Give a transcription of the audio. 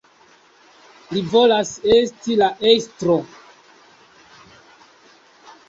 Li volas esti la estro.